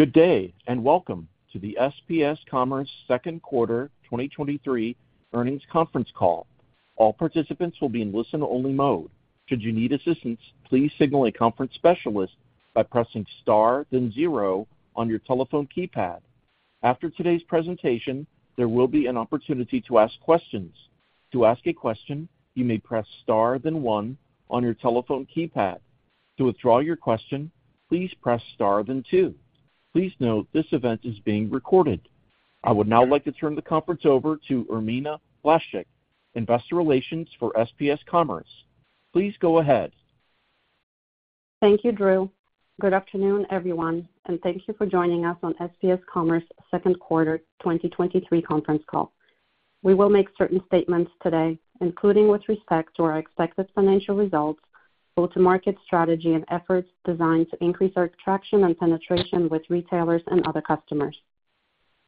Good day. Welcome to the SPS Commerce Q2 2023 Earnings Conference Call. All participants will be in listen-only mode. Should you need assistance, please signal a conference specialist by pressing star, then zero on your telephone keypad. After today's presentation, there will be an opportunity to ask questions. To ask a question, you may press star, then one on your telephone keypad. To withdraw your question, please press star, then two. Please note, this event is being recorded. I would now like to turn the conference over to Irmina Blaszczyk, Investor Relations for SPS Commerce. Please go ahead. Thank you, Drew. Good afternoon, everyone, and thank you for joining us on SPS Commerce Q2 2023 Conference Call. We will make certain statements today, including with respect to our expected financial results, go-to-market strategy, and efforts designed to increase our traction and penetration with retailers and other customers.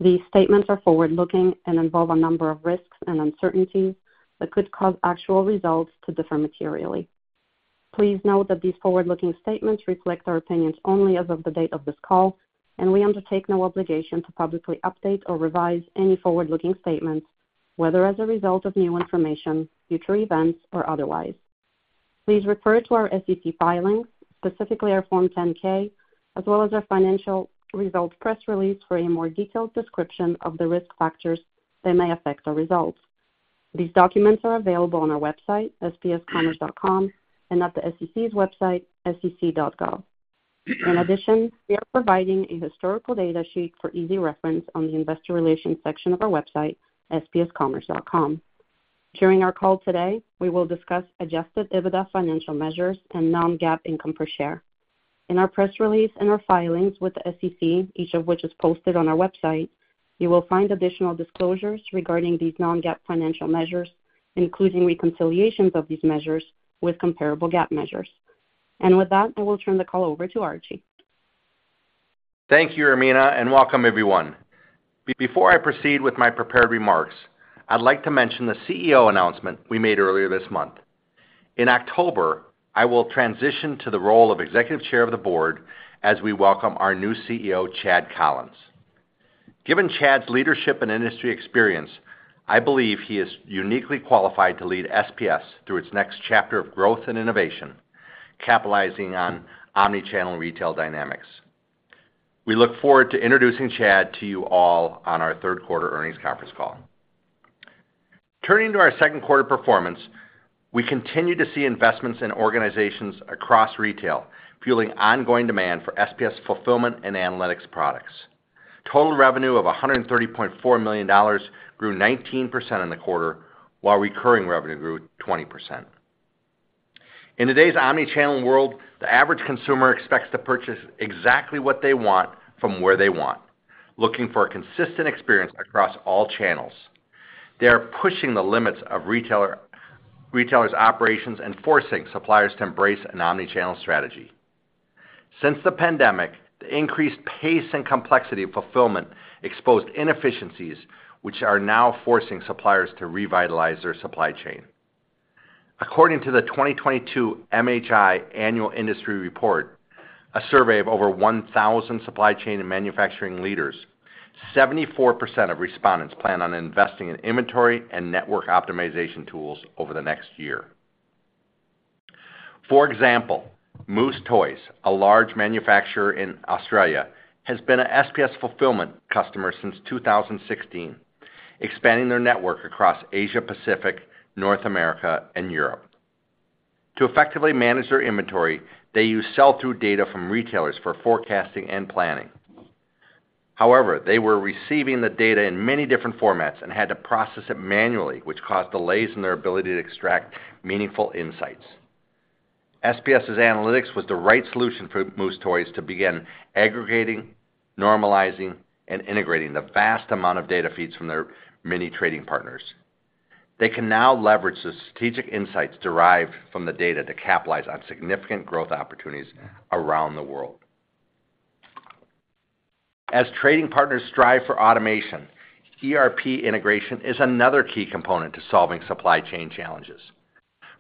These statements are forward-looking and involve a number of risks and uncertainties that could cause actual results to differ materially. Please note that these forward-looking statements reflect our opinions only as of the date of this call, and we undertake no obligation to publicly update or revise any forward-looking statements, whether as a result of new information, future events, or otherwise. Please refer to our SEC filings, specifically our Form 10-K, as well as our financial results press release for a more detailed description of the risk factors that may affect our results. These documents are available on our website, spscommerce.com, and at the SEC's website, sec.gov. In addition, we are providing a historical data sheet for easy reference on the Investor Relations section of our website, spscommerce.com. During our call today, we will discuss adjusted EBITDA financial measures and non-GAAP income per share. In our press release and our filings with the SEC, each of which is posted on our website, you will find additional disclosures regarding these non-GAAP financial measures, including reconciliations of these measures with comparable GAAP measures. With that, I will turn the call over to Archie. Thank you, Irmina, and welcome everyone. Before I proceed with my prepared remarks, I'd like to mention the CEO announcement we made earlier this month. In October, I will transition to the role of Executive Chair of the Board as we welcome our new CEO, Chad Collins. Given Chad's leadership and industry experience, I believe he is uniquely qualified to lead SPS through its next chapter of growth and innovation, capitalizing on omni-channel retail dynamics. We look forward to introducing Chad to you all on our Q3 earnings conference call. Turning to our Q2 performance, we continue to see investments in organizations across retail, fueling ongoing demand for SPS Fulfillment and Analytics products. Total revenue of $130.4 million grew 19% in the quarter, while recurring revenue grew 20%. In today's omnichannel world, the average consumer expects to purchase exactly what they want from where they want, looking for a consistent experience across all channels. They are pushing the limits of retailers' operations and forcing suppliers to embrace an omnichannel strategy. Since the pandemic, the increased pace and complexity of fulfillment exposed inefficiencies, which are now forcing suppliers to revitalize their supply chain. According to the 2022 MHI Annual Industry Report, a survey of over 1,000 supply chain and manufacturing leaders, 74% of respondents plan on investing in inventory and network optimization tools over the next year. For example, Moose Toys, a large manufacturer in Australia, has been a SPS Fulfillment customer since 2016, expanding their network across Asia, Pacific, North America, and Europe. To effectively manage their inventory, they use sell-through data from retailers for forecasting and planning. However, they were receiving the data in many different formats and had to process it manually, which caused delays in their ability to extract meaningful insights. SPS Analytics was the right solution for Moose Toys to begin aggregating, normalizing, and integrating the vast amount of data feeds from their many trading partners. They can now leverage the strategic insights derived from the data to capitalize on significant growth opportunities around the world. As trading partners strive for automation, ERP integration is another key component to solving supply chain challenges.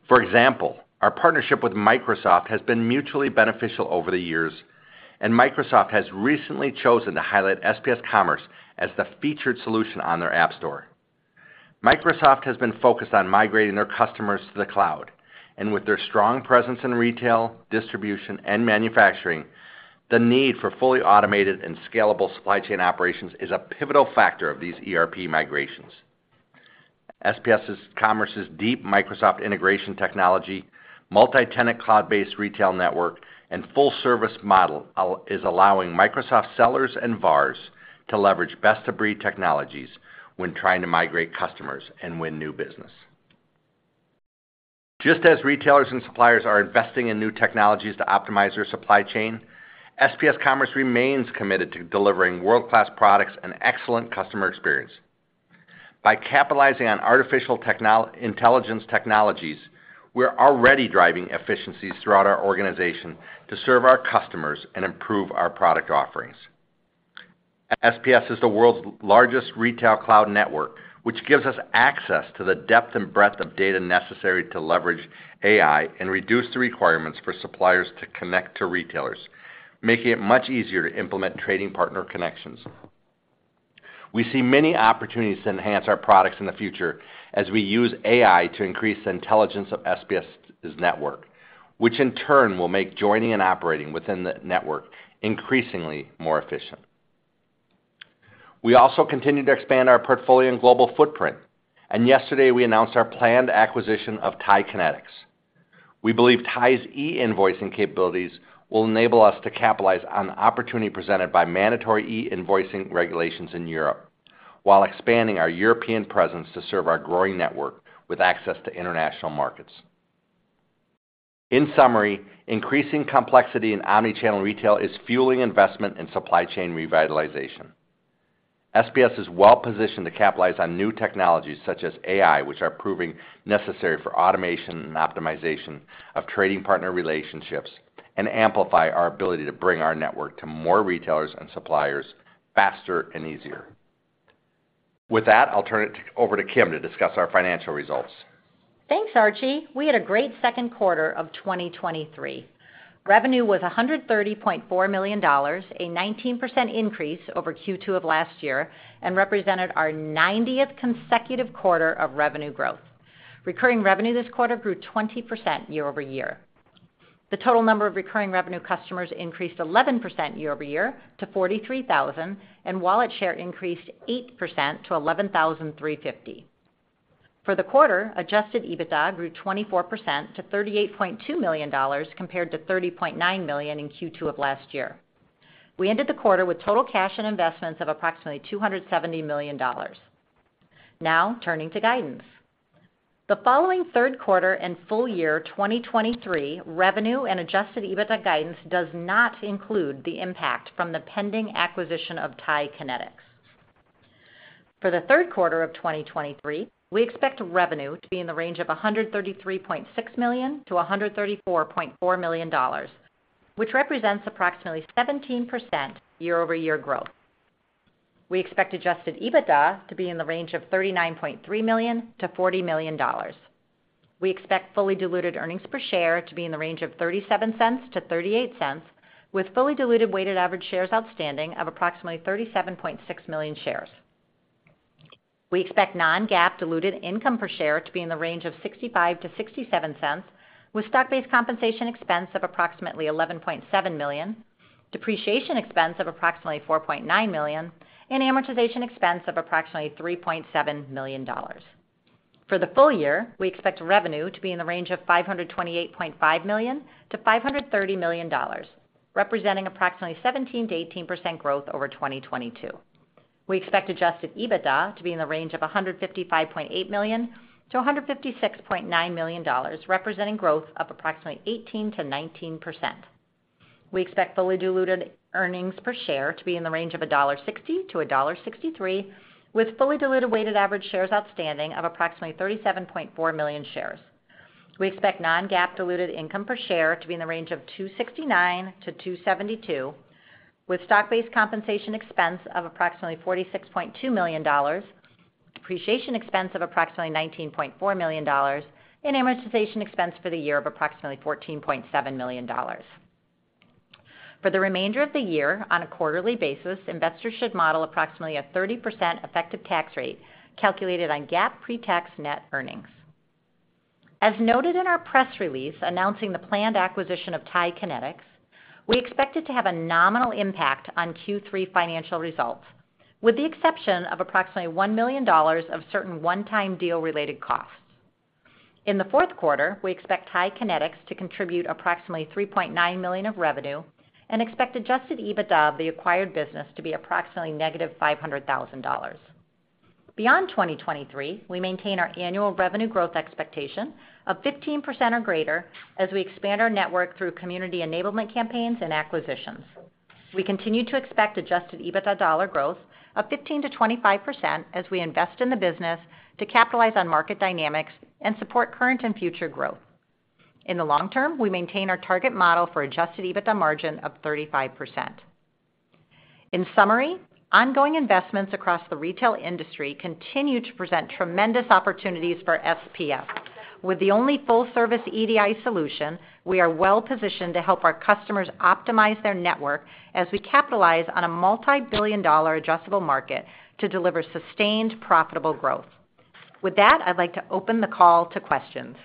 For example, our partnership with Microsoft has been mutually beneficial over the years, and Microsoft has recently chosen to highlight SPS Commerce as the featured solution on their App Store. Microsoft has been focused on migrating their customers to the cloud, and with their strong presence in retail, distribution, and manufacturing, the need for fully automated and scalable supply chain operations is a pivotal factor of these ERP migrations. SPS Commerce's deep Microsoft integration technology, multi-tenant cloud-based retail network, and full-service model is allowing Microsoft sellers and VARs to leverage best-of-breed technologies when trying to migrate customers and win new business. Just as retailers and suppliers are investing in new technologies to optimize their supply chain, SPS Commerce remains committed to delivering world-class products and excellent customer experience. By capitalizing on artificial intelligence technologies, we're already driving efficiencies throughout our organization to serve our customers and improve our product offerings. SPS is the world's largest retail cloud network, which gives us access to the depth and breadth of data necessary to leverage AI and reduce the requirements for suppliers to connect to retailers, making it much easier to implement trading partner connections. We see many opportunities to enhance our products in the future as we use AI to increase the intelligence of SPS's network, which in turn will make joining and operating within the network increasingly more efficient. Yesterday, we announced our planned acquisition of TIE Kinetix. We believe TIE's e-invoicing capabilities will enable us to capitalize on the opportunity presented by mandatory e-invoicing regulations in Europe, while expanding our European presence to serve our growing network with access to international markets. In summary, increasing complexity in omni-channel retail is fueling investment in supply chain revitalization. SPS is well positioned to capitalize on new technologies such as AI, which are proving necessary for automation and optimization of trading partner relationships, and amplify our ability to bring our network to more retailers and suppliers faster and easier. With that, I'll turn it over to Kim to discuss our financial results. Thanks, Archie. We had a great Q2 of 2023. Revenue was $130.4 million, a 19% increase over Q2 of last year, and represented our 90th consecutive quarter of revenue growth. Recurring revenue this quarter grew 20% year-over-year. The total number of recurring revenue customers increased 11% year-over-year to 43,000, and Wallet share increased 8% to $11,350. For the quarter, adjusted EBITDA grew 24% to $38.2 million, compared to $30.9 million in Q2 of last year. We ended the quarter with Total cash and investments of approximately $270 million. Turning to Guidance. The following Q3 and Full year 2023 Revenue and Adjusted EBITDA guidance does not include the impact from the pending acquisition of TIE Kinetix. For the Q3 of 2023, we expect revenue to be in the range of $133.6 million to 134.4 million, which represents approximately 17% year-over-year growth. We expect Adjusted EBITDA to be in the range of $39.3 million to 40 million. We expect fully diluted earnings per share to be in the range of $0.37 to 0.38, with fully diluted weighted average shares outstanding of approximately 37.6 million shares. We expect non-GAAP diluted income per share to be in the range of $0.65 to 0.67, with stock-based compensation expense of approximately $11.7 million, depreciation expense of approximately $4.9 million, and amortization expense of approximately $3.7 million. For the full year, we expect revenue to be in the range of $528.5 million to 530.0 million, representing approximately 17% to 18% growth over 2022. We expect adjusted EBITDA to be in the range of $155.8 million to 156.9 million, representing growth of approximately 18% to 19%. We expect fully diluted earnings per share to be in the range of $1.60 to1.63, with fully diluted weighted average shares outstanding of approximately 37.4 million shares. We expect non-GAAP diluted income per share to be in the range of $2.69 to 2.72, with stock-based compensation expense of approximately $46.2 million, depreciation expense of approximately $19.4 million, and amortization expense for the year of approximately $14.7 million. For the remainder of the year, on a quarterly basis, investors should model approximately a 30% effective tax rate calculated on GAAP pre-tax net earnings. As noted in our press release announcing the planned acquisition of TIE Kinetix, we expect it to have a nominal impact on Q3 financial results, with the exception of approximately $1 million of certain one-time deal-related costs. In the Q4, we expect TIE Kinetix to contribute approximately $3.9 million of revenue and expect adjusted EBITDA of the acquired business to be approximately negative $500,000. Beyond 2023, we maintain our annual revenue growth expectation of 15% or greater as we expand our network through community enablement campaigns and acquisitions. We continue to expect adjusted EBITDA dollar growth of 15% to 25% as we invest in the business to capitalize on market dynamics and support current and future growth. In the long term, we maintain our target model for adjusted EBITDA margin of 35%. In summary, ongoing investments across the retail industry continue to present tremendous opportunities for SPS. With the only full-service EDI solution, we are well positioned to help our customers optimize their network as we capitalize on a multi-billion dollar adjustable market to deliver sustained, profitable growth. With that, I'd like to open the call to questions.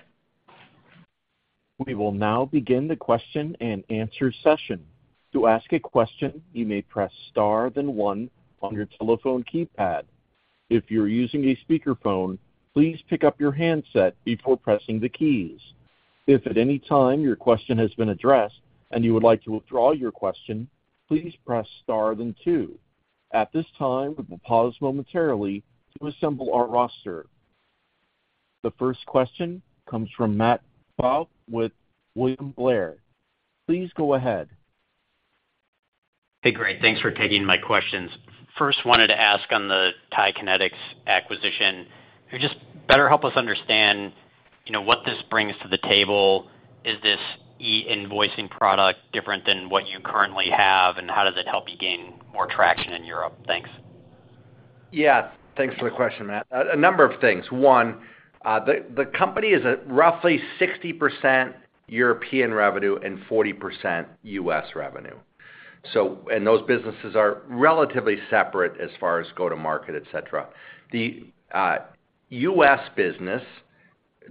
We will now begin the Q&A session. To ask a question, you may press star, then one on your telephone keypad. If you're using a speakerphone, please pick up your handset before pressing the keys. If at any time your question has been addressed and you would like to withdraw your question, please press star, then two. At this time, we will pause momentarily to assemble our roster. The first question comes from Matthew Fowle with William Blair. Please go ahead. Hey, great. Thanks for taking my questions. First, wanted to ask on the TIE Kinetix acquisition. Could just better help us understand, you know, what this brings to the table? Is this e-invoicing product different than what you currently have, and how does it help you gain more traction in Europe? Thanks. Yeah. Thanks for the question, Matt. A number of things. One, the company is at roughly 60% European revenue and 40% U.S. revenue. Those businesses are relatively separate as far as go-to-market, et cetera. The U.S. business,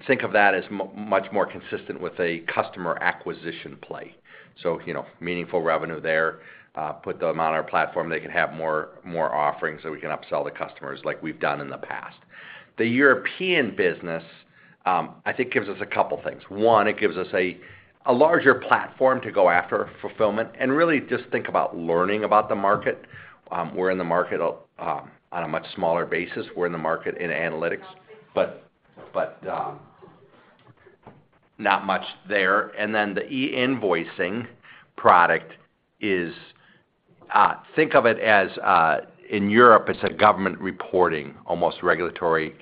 think of that as much more consistent with a customer acquisition play, so, you know, meaningful revenue there, put them on our platform, they can have more, more offerings that we can upsell the customers like we've done in the past. The European business, I think gives us a couple things: One, it gives us a larger platform to go after fulfillment and really just think about learning about the market. We're in the market on a much smaller basis. We're in the market in analytics, but not much there. The e-invoicing product is, think of it as, in Europe, it's a government reporting, almost regulatory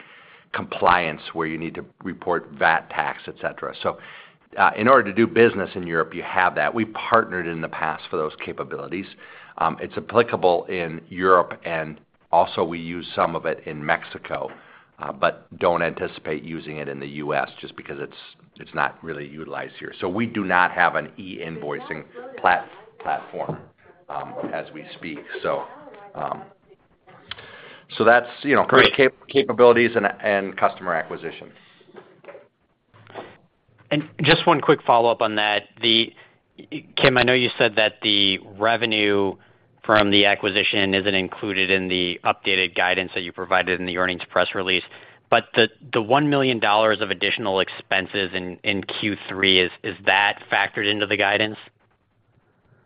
compliance, where you need to report VAT tax, et cetera. In order to do business in Europe, you have that. We partnered in the past for those capabilities. It's applicable in Europe, and also we use some of it in Mexico, but don't anticipate using it in the US just because it's, it's not really utilized here. We do not have an e-invoicing platform as we speak. That's, you know. Great capabilities and customer acquisition. Just one quick follow-up on that. Kim, I know you said that the revenue from the acquisition isn't included in the updated guidance that you provided in the earnings press release, but the $1 million of additional expenses in Q3, is that factored into the guidance?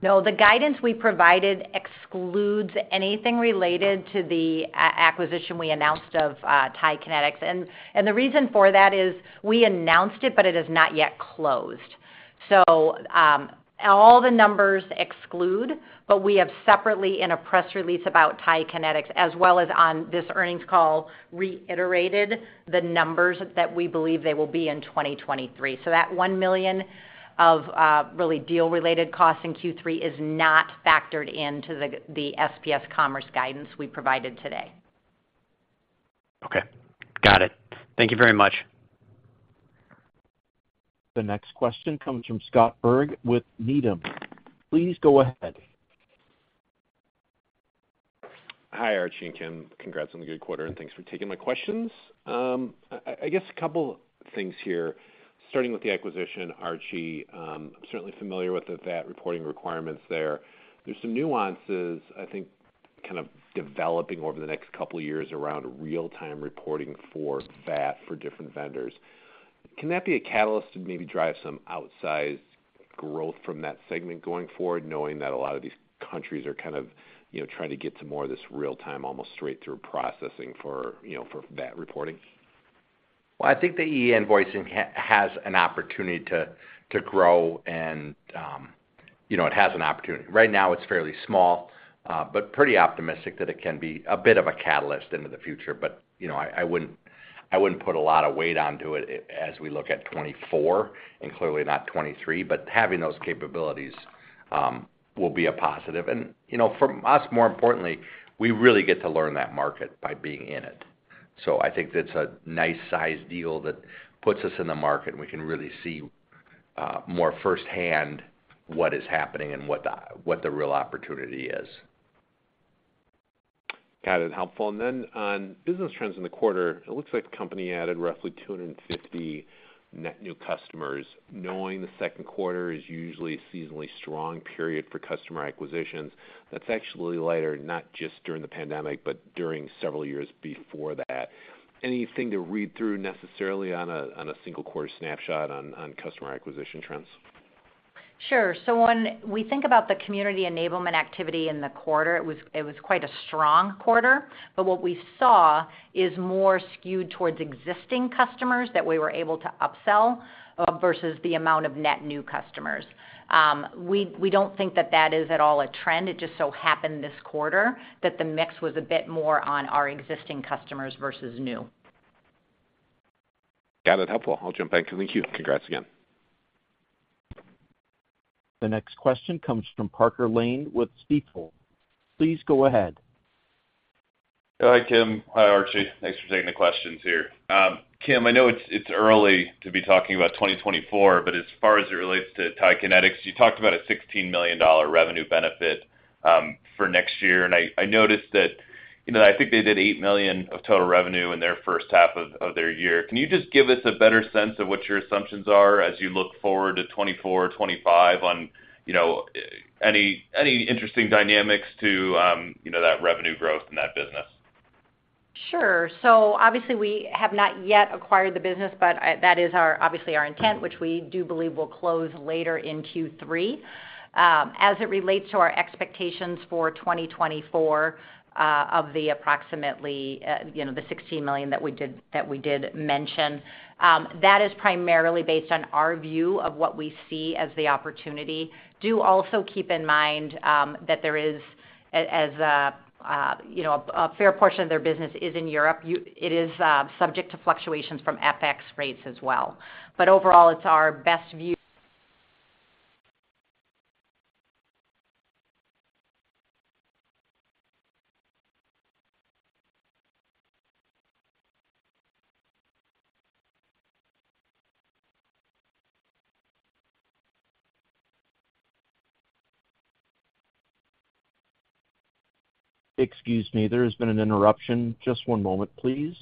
No, the guidance we provided excludes anything related to the acquisition we announced of TIE Kinetix. The reason for that is we announced it, but it is not yet closed. All the numbers exclude, but we have separately, in a press release about TIE Kinetix, as well as on this earnings call, reiterated the numbers that we believe they will be in 2023. That $1 million of really deal-related costs in Q3 is not factored into the SPS Commerce guidance we provided today. Okay, got it. Thank you very much. The next question comes from Scott Berg with Needham. Please go ahead. Hi, Archie and Kim. Congrats on the good quarter, thanks for taking my questions. I guess a couple things here, starting with the acquisition. Archie, I'm certainly familiar with the VAT reporting requirements there. There's some nuances, I think, kind of developing over the next couple of years around real-time reporting for VAT for different vendors. Can that be a catalyst to maybe drive some outsized growth from that segment going forward, knowing that a lot of these countries are kind of, you know, trying to get to more of this real-time, almost straight-through processing for, you know, for VAT reporting? Well, I think the e-invoicing has an opportunity to, to grow and, you know, it has an opportunity. Right now, it's fairly small, but pretty optimistic that it can be a bit of a catalyst into the future. You know, I, I wouldn't, I wouldn't put a lot of weight onto it as we look at 2024, and clearly not 2023, but having those capabilities will be a positive. You know, for us, more importantly, we really get to learn that market by being in it. I think that's a nice size deal that puts us in the market, and we can really see more firsthand what is happening and what the real opportunity is. Got it. Helpful. On business trends in the quarter, it looks like the company added roughly 250 net new customers. Knowing the Q2 is usually a seasonally strong period for customer acquisitions, that's actually lighter, not just during the pandemic, but during several years before that. Anything to read through necessarily on a single-quarter snapshot on customer acquisition trends? Sure. When we think about the community enablement activity in the quarter, it was, it was quite a strong quarter, but what we saw is more skewed towards existing customers that we were able to upsell, versus the amount of net new customers. We, we don't think that that is at all a trend. It just so happened this quarter that the mix was a bit more on our existing customers versus new. Got it. Helpful. I'll jump back in the queue. Congrats again. The next question comes from Parker Lane with Stifel. Please go ahead. Hi, Kim. Hi, Archie. Thanks for taking the questions here. Kim, I know it's, it's early to be talking about 2024, but as far as it relates to TIE Kinetix, you talked about a $16 million revenue benefit for next year. And I, I noticed that, you know, I think they did $8 million of total revenue in their first half of, of their year. Can you just give us a better sense of what your assumptions are as you look forward to 2024, 2025 on, you know, any, any interesting dynamics to, you know, that revenue growth in that business? Sure. Obviously, we have not yet acquired the business, but, that is our, obviously, our intent, which we do believe will close later in Q3. As it relates to our expectations for 2024, of the approximately, you know, the $16 million that we did, that we did mention, that is primarily based on our view of what we see as the opportunity. Do also keep in mind, that there is a, as, you know, a, a fair portion of their business is in Europe. You, it is, subject to fluctuations from FX rates as well. Overall, it's our best view. Excuse me, there has been an interruption. Just one moment, please.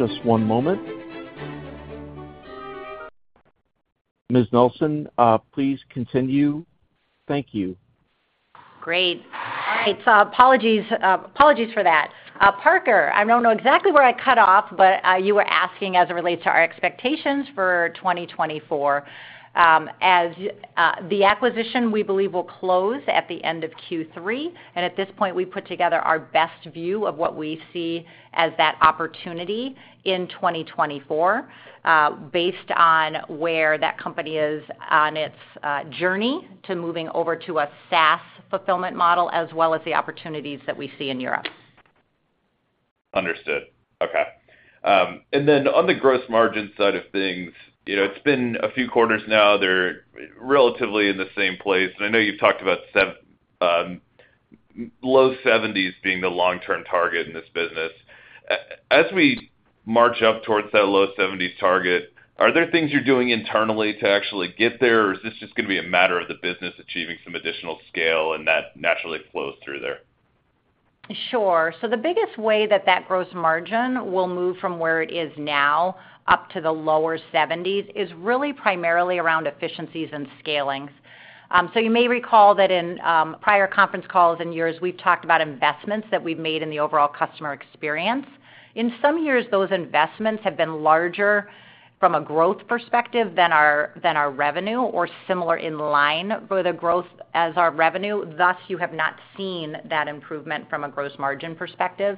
Just one moment. Ms. Nelson, please continue. Thank you. Great. All right, apologies, apologies for that. Parker, I don't know exactly where I cut off, but you were asking as it relates to our expectations for 2024. As the acquisition, we believe, will close at the end of Q3, at this point, we put together our best view of what we see as that opportunity in 2024, based on where that company is on its journey to moving over to a SaaS fulfillment model, as well as the opportunities that we see in Europe. Understood. Okay. Then on the gross margin side of things, you know, it's been a few quarters now. They're relatively in the same place. I know you've talked about low seventies being the long-term target in this business. As we march up towards that low seventies target, are there things you're doing internally to actually get there, or is this just gonna be a matter of the business achieving some additional scale and that naturally flows through there? Sure. The biggest way that that gross margin will move from where it is now up to the lower seventies, is really primarily around efficiencies and scaling. You may recall that in prior conference calls and years, we've talked about investments that we've made in the overall customer experience. In some years, those investments have been larger from a growth perspective than our, than our revenue or similar in line for the growth as our revenue, thus, you have not seen that improvement from a gross margin perspective.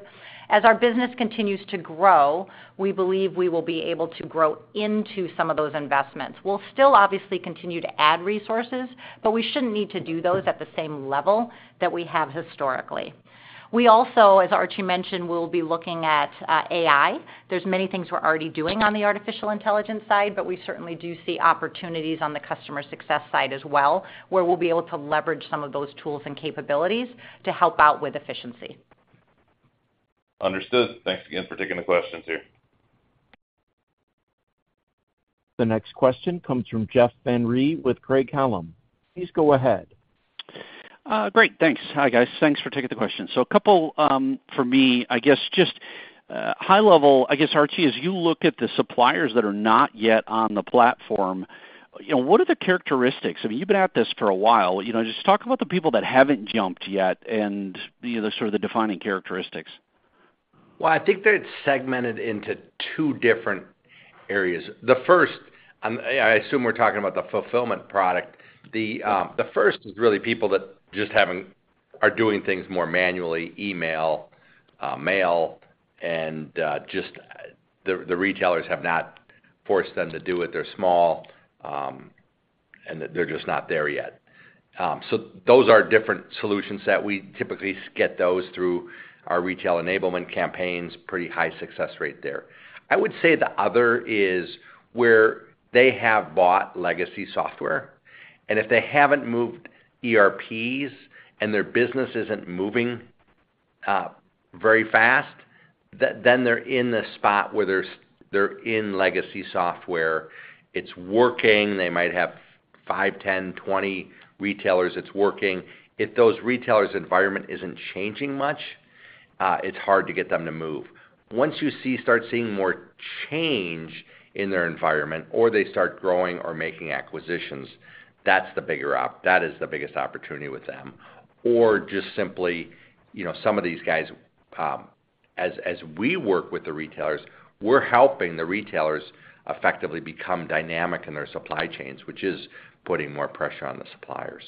As our business continues to grow, we believe we will be able to grow into some of those investments. We'll still obviously continue to add resources, but we shouldn't need to do those at the same level that we have historically. We also, as Archie mentioned, we'll be looking at AI. There's many things we're already doing on the artificial intelligence side, but we certainly do see opportunities on the customer success side as well, where we'll be able to leverage some of those tools and capabilities to help out with efficiency. Understood. Thanks again for taking the questions here. The next question comes from Jeff Van Rhee with Craig-Hallum. Please go ahead. Great. Thanks. Hi, guys. Thanks for taking the question. A couple for me, I guess, just high level, I guess, Archie, as you look at the suppliers that are not yet on the platform, you know, what are the characteristics? I mean, you've been at this for a while, you know, just talk about the people that haven't jumped yet and, you know, sort of the defining characteristics. I think they're segmented into two different areas. The first, I assume we're talking about the fulfillment product. The first is really people that just haven't are doing things more manually, email, mail, and just the retailers have not forced them to do it. They're small, and they're just not there yet. Those are different solutions that we typically get those through our retail enablement campaigns. Pretty high success rate there. I would say the other is where they have bought legacy software, and if they haven't moved ERPs and their business isn't moving very fast, then they're in the spot where they're in legacy software. It's working. They might have five, 10, 20 retailers. It's working. If those retailers' environment isn't changing much, it's hard to get them to move. Once start seeing more change in their environment or they start growing or making acquisitions, that is the biggest opportunity with them. Just simply, you know, some of these guys, as we work with the retailers, we're helping the retailers effectively become dynamic in their supply chains, which is putting more pressure on the suppliers.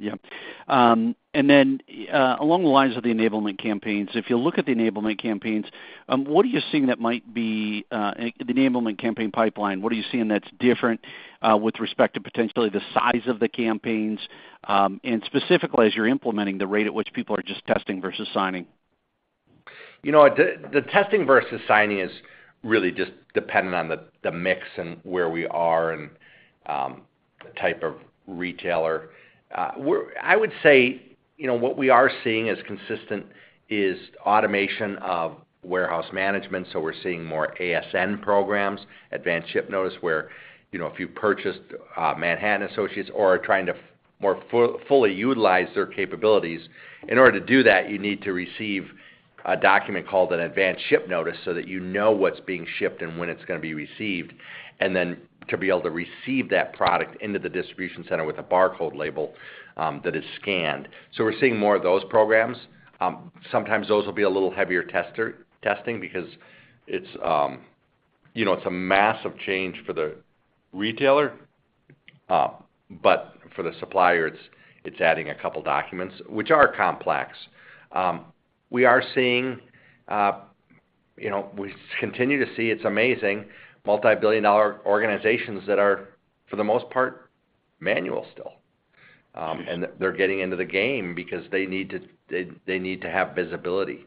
Mm-hmm. Yep. Along the lines of the enablement campaigns, if you look at the enablement campaigns, what are you seeing that might be the enablement campaign pipeline, what are you seeing that's different with respect to potentially the size of the campaigns, and specifically, as you're implementing the rate at which people are just testing versus signing? You know, the, the testing versus signing is really just dependent on the, the mix and where we are and the type of retailer. I would say, you know, what we are seeing as consistent is automation of warehouse management, so we're seeing more ASN programs, Advanced Ship Notice, where, you know, if you purchased Manhattan Associates or are trying to more fully utilize their capabilities, in order to do that, you need to receive a document called an advanced ship notice so that you know what's being shipped and when it's gonna be received, and then to be able to receive that product into the distribution center with a barcode label that is scanned. We're seeing more of those programs. Sometimes those will be a little heavier testing because it's, you know, it's a massive change for the retailer, but for the supplier, it's, it's adding a couple documents, which are complex. We are seeing, you know, we continue to see, it's amazing, multibillion-dollar organizations that are, for the most part, manual still. They're getting into the game because they need to, they, they need to have visibility.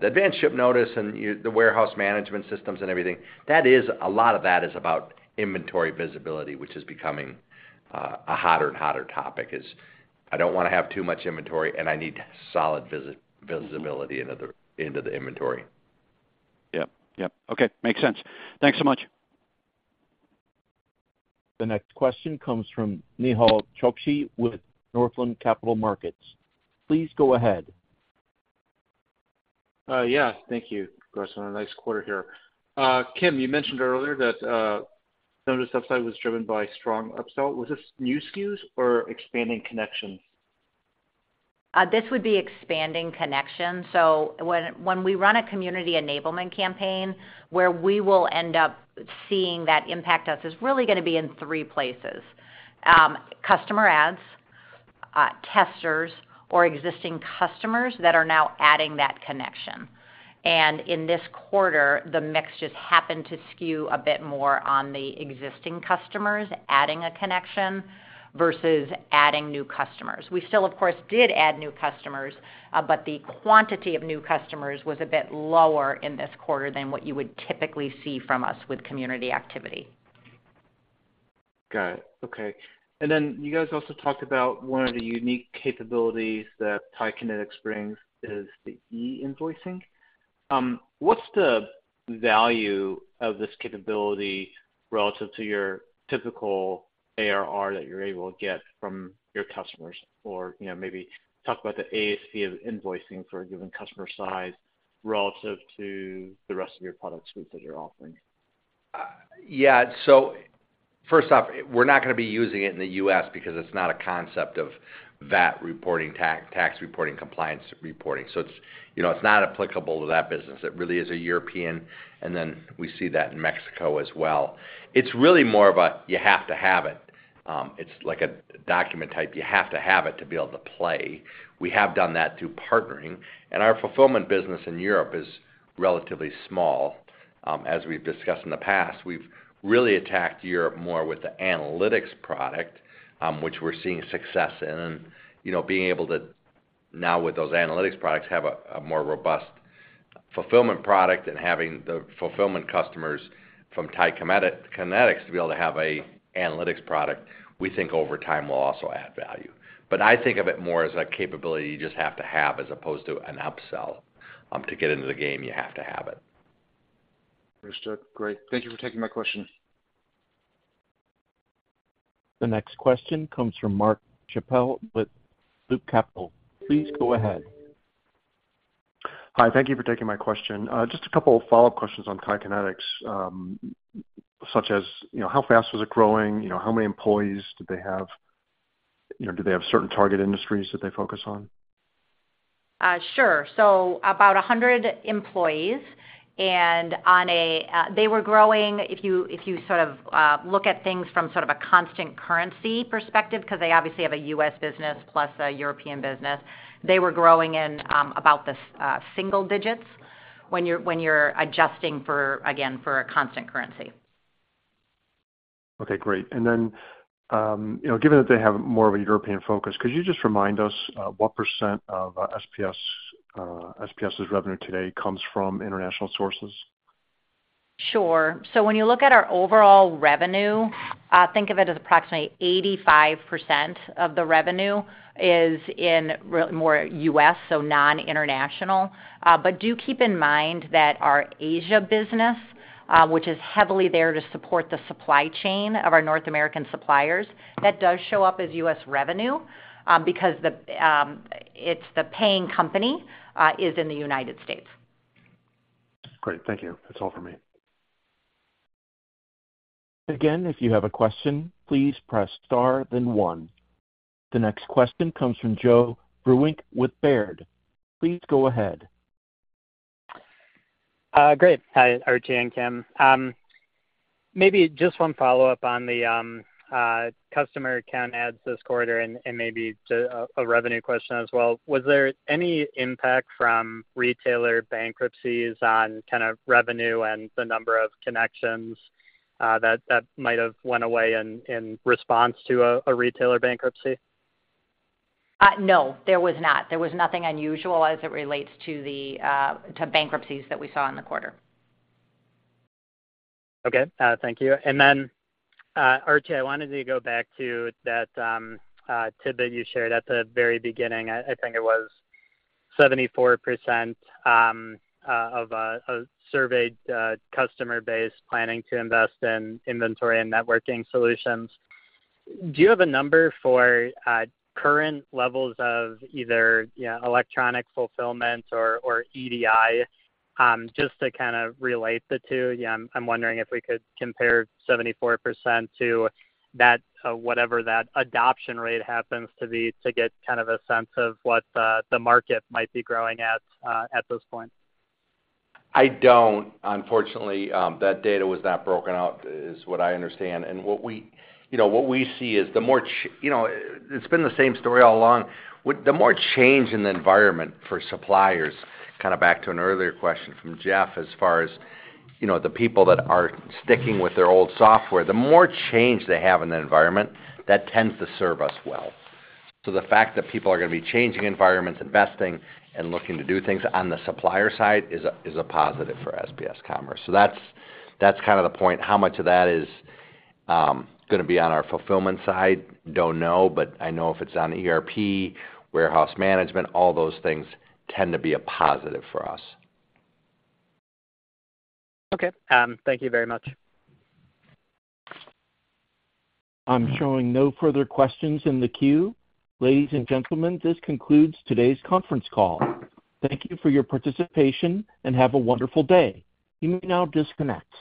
The advanced ship notice and you, the warehouse management systems and everything, that is, a lot of that is about inventory visibility, which is becoming, a hotter and hotter topic. Is, I don't wanna have too much inventory, and I need solid visibility into the, into the inventory. Yep, yep. Okay, makes sense. Thanks so much. The next question comes from Nehal Chokshi with Northland Capital Markets. Please go ahead. Yeah, thank you. Of course, on a nice quarter here. Kim, you mentioned earlier that, some of the upside was driven by strong upsell. Was this new SKUs or expanding connections? This would be expanding connections. When, when we run a community enablement campaign, where we will end up seeing that impact us is really gonna be in three places: customer adds, testers, or existing customers that are now adding that connection. In this quarter, the mix just happened to skew a bit more on the existing customers adding a connection versus adding new customers. We still, of course, did add new customers, but the quantity of new customers was a bit lower in this quarter than what you would typically see from us with community activity. Got it. Okay. Then you guys also talked about one of the unique capabilities that TIE Kinetix brings is the e-invoicing. What's the value of this capability relative to your typical ARR that you're able to get from your customers? You know, maybe talk about the ASC of invoicing for a given customer size relative to the rest of your product suite that you're offering? Yeah. First off, we're not gonna be using it in the U.S. because it's not a concept of VAT reporting, tax, tax reporting, compliance reporting. It's, you know, it's not applicable to that business. It really is a European, and then we see that in Mexico as well. It's really more of a, you have to have it. It's like a document type. You have to have it to be able to play. We have done that through partnering, and our fulfillment business in Europe is relatively small. As we've discussed in the past, we've really attacked Europe more with the Analytics product, which we're seeing success in. you know, being able to, now with those analytics products, have a, a more robust fulfillment product and having the fulfillment customers from TIE Kinetix to be able to have a analytics product, we think over time will also add value. I think of it more as a capability you just have to have as opposed to an upsell. To get into the game, you have to have it. Understood. Great. Thank you for taking my question. The next question comes from Mark Chappell with Loop Capital. Please go ahead. Hi, thank you for taking my question. Just a couple of follow-up questions on TIE Kinetix. Such as, you know, how fast was it growing? You know, how many employees did they have? You know, do they have certain target industries that they focus on? Sure. About 100 employees, and on a. They were growing, if you, if you sort of, look at things from sort of a constant currency perspective, 'cause they obviously have a U.S. business plus a European business, they were growing in, about the, single digits when you're, when you're adjusting for, again, for a constant currency. Okay, great. And then, you know, given that they have more of a European focus, could you just remind us, what % of SPS, SPS's revenue today comes from international sources? Sure. When you look at our overall revenue, think of it as approximately 85% of the revenue is in more U.S., so non-international. But do keep in mind that our Asia business, which is heavily there to support the supply chain of our North American suppliers, that does show up as U.S. revenue, because the, it's the paying company, is in the United States. Great. Thank you. That's all for me. Again, if you have a question, please press star, then one. The next question comes from Joe Vruwink with Baird. Please go ahead. Great. Hi, Archie and Kim. Maybe just one follow-up on the customer account ads this quarter, and maybe to a revenue question as well. Was there any impact from retailer bankruptcies on kind of revenue and the number of connections that might have went away in response to a retailer bankruptcy? No, there was not. There was nothing unusual as it relates to the, to bankruptcies that we saw in the quarter. Okay, thank you. Archie, I wanted to go back to that tidbit you shared at the very beginning. I, I think it was 74% of a surveyed customer base planning to invest in inventory and networking solutions. Do you have a number for current levels of either electronic fulfillment or EDI, just to kind of relate the two? I'm, I'm wondering if we could compare 74% to that, whatever that adoption rate happens to be, to get kind of a sense of what the market might be growing at this point. I don't, unfortunately. That data was not broken out, is what I understand. What we, you know, what we see is the more, you know, it's been the same story all along. With the more change in the environment for suppliers, kind of back to an earlier question from Joe, as far as, you know, the people that are sticking with their old software, the more change they have in the environment, that tends to serve us well. The fact that people are gonna be changing environments, investing and looking to do things on the supplier side is a, is a positive for SPS Commerce. That's, that's kind of the point. How much of that is gonna be on our fulfillment side? Don't know, but I know if it's on ERP, warehouse management, all those things tend to be a positive for us. Okay. Thank you very much. I'm showing no further questions in the queue. Ladies and gentlemen, this concludes today's conference call. Thank you for your participation, and have a wonderful day. You may now disconnect.